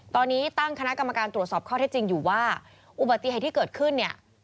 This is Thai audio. ตอนนี้ตั้งคณะกรรมการตรวจสอบข้อเท็จจริงอยู่ว่าอุบัติเหตุที่เกิดขึ้นเนี่ย